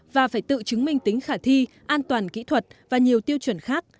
và phải tự chứng minh tính khả thi an toàn kỹ thuật và nhiều tiêu chuẩn khác